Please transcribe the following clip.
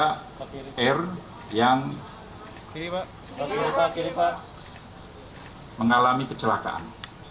tiga r yang mengalami kecelakaan